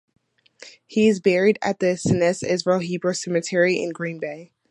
He is buried at the Cnesses Israel Hebrew Cemetery in Green Bay.